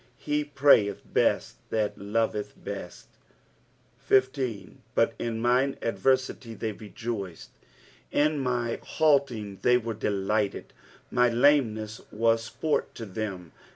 "He prayeth best that loveth beat." 15. " Bat in mine adternty they r^oiced." In my halting they were delighted. My lameoess na£ sport to them.